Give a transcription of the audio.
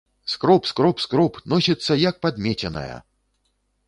Скроб, скроб, скроб, носіцца, як падмеценая!